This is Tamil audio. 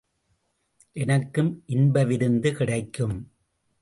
எனக்கும் இன்ப விருந்து கிடைக்கும்.